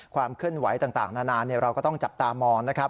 ความเคลื่อนไหวต่างนานาเราก็ต้องจับตามองนะครับ